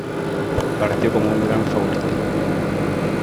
Partió como un gran favorito.